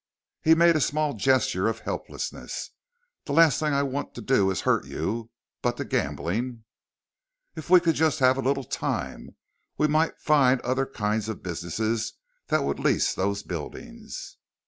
He made a small gesture of helplessness. "The last thing I want to do is hurt you. But the gambling...." "If we could just have a little time, we might find other kinds of business that would lease those buildings."